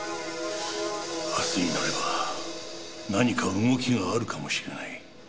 明日になれば何か動きがあるかもしれない。